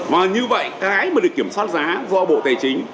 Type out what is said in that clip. và như vậy cái mà được kiểm soát giá do bộ tài chính